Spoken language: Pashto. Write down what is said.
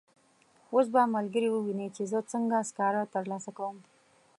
اوس به ملګري وویني چې زه څنګه سکاره ترلاسه کوم.